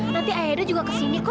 nanti ayah edo juga ke sini kan